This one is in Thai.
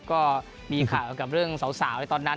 ก็มีข่าวกับเรื่องสาวในตอนนั้น